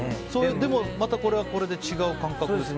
でもこれはこれで違う感覚ですか？